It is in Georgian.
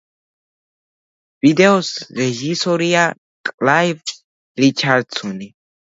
ვიდეოს რეჟისორია კლაივ რიჩარდსონი.